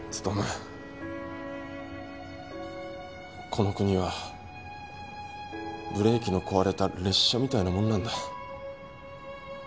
この国はブレーキの壊れた列車みたいなもんなんだ。